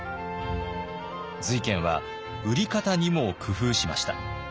瑞賢は売り方にも工夫しました。